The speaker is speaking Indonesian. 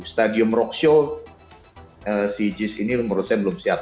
stadium rock show si jis ini menurut saya belum siap